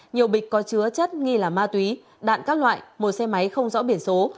nhiều bịch có chứa chất nghi là ma túy đạn các loại một xe máy không rõ biển số